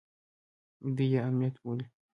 دوى يې امنيت بولي.